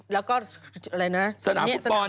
แล้วก็สนามฟุตบอล